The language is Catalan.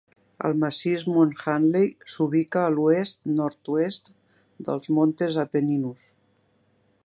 El massís Mons Hadley s'ubica a l'oest-nord-oest dels Montes Apenninus